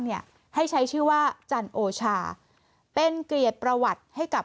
เนี่ยให้ใช้ชื่อว่าจันโอชาเป็นเกลียดประวัติให้กับ